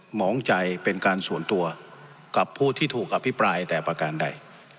หมองใจเป็นการส่วนตัวกับผู้ที่ถูกอภิปรายแต่ประการใด